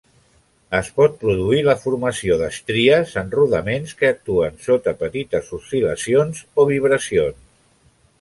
Es pot produir la formació d'estries en rodaments que actuen sota petites oscil·lacions o vibracions.